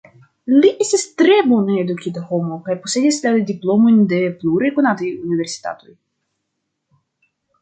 Li estis tre bone edukita homo kaj posedis la diplomojn de pluraj konataj universitatoj.